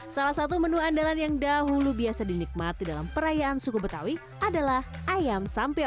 salah satu menu andalan yang dahulu biasa dinikmati dalam perayaan suku betawi adalah ayam sampiade